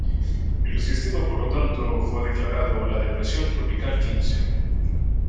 El sistema por lo tanto fue declarado la Depresión Tropical Quince.